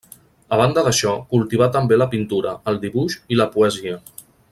A banda d'això, cultivà també la pintura, el dibuix i la poesia.